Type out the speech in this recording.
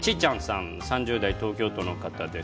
３０代東京都の方です。